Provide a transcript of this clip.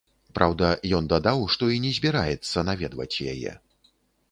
Праўда, ён дадаў, што і не збіраецца наведваць яе.